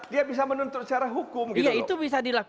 dia bisa menuntut secara hukum gitu loh